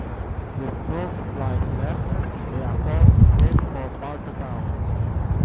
With no supplies left, they are forced to head for Bartertown.